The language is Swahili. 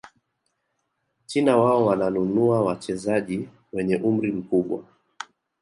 china wao wananunua wachezaji wenye umri mkubwa